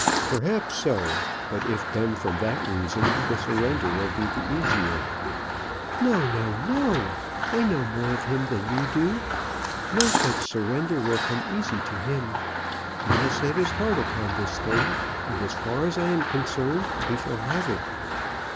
"Perhaps so; but if done from that reason, the surrender will be the easier." "No, no, no; I know more of him than you do. No such surrender will come easy to him. He has set his heart upon this thing, and as far as I am concerned he shall have it."